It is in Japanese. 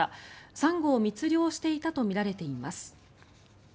サンゴを密漁していたとみられています。